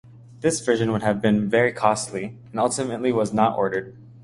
This version would have been very costly, and ultimately was not ordered.